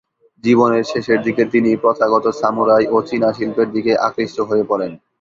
জীবনের শেষের দিকে তিনি প্রথাগত সামুরাই ও চীনা শিল্পের দিকে আকৃষ্ট হয়ে পড়েন।